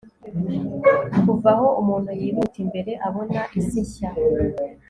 kuva aho umuntu, yihuta imbere, abona isi nshya